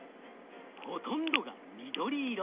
ほとんどが緑色。